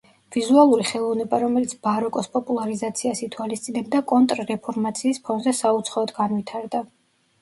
ვიზუალური ხელოვნება რომელიც ბაროკოს პოპულარიზაციას ითვალისწინებდა, კონტრ რეფორმაციის ფონზე საუცხოოდ განვითარდა.